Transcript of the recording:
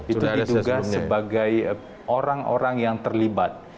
itu diduga sebagai orang orang yang terlibat